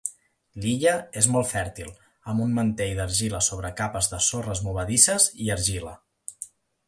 L'illa és molt fèrtil, amb un mantell d'argila sobre capes de sorres movedisses i argila.